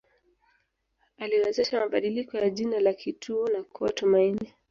Aliwezesha mabadiliko ya jina la kituo na kuwa Tumaini